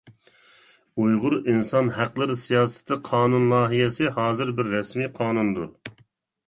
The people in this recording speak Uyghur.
ئۇيغۇر ئىنسان ھەقلىرى سىياسىتى قانۇن لايىھەسى ھازىر بىر رەسمىي قانۇندۇر!